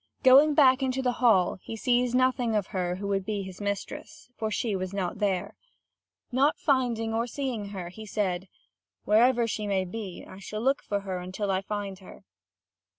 Going back into the hall, he sees nothing of her who would be his mistress; for she was not there. Not finding or seeing her, he said: "Wherever she may be, I shall look for her until I find her."